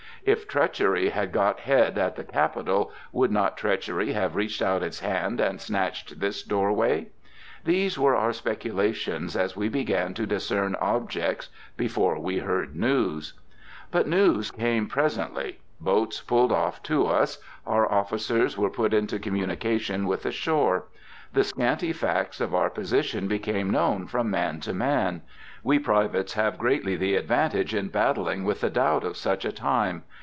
If treachery had got head at the capital, would not treachery have reached out its hand and snatched this doorway? These were our speculations as we began to discern objects, before we heard news. But news came presently. Boats pulled off to us. Our officers were put into communication with the shore. The scanty facts of our position became known from man to man. We privates have greatly the advantage in battling with the doubt of such a time.